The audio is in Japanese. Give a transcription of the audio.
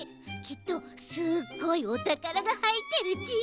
きっとすごい「おたから」がはいってるち。